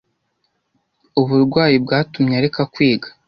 Uburwayi bwatumye areka kwiga.